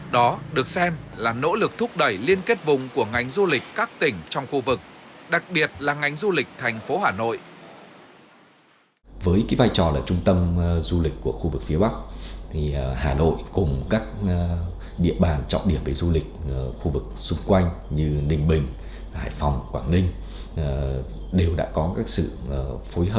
đó được xem là nỗ lực thúc đẩy liên kết vùng của ngành du lịch các tỉnh trong khu vực đặc biệt là ngành du lịch thành phố hà nội